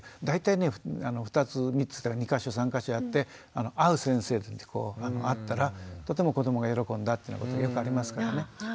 大体ね２つ３つ２か所３か所やって合う先生に会ったらとても子どもが喜んだっていうようなことよくありますからね。